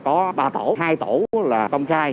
có ba tổ hai tổ là công khai